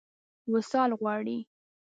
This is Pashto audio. وصال غواړي.